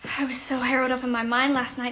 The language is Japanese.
はい。